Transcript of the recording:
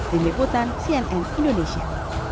dini putan cnn indonesia